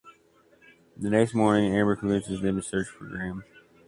The next morning Amber convinces them to search for Graham.